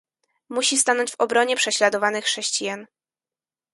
musi stanąć w obronie prześladowanych chrześcijan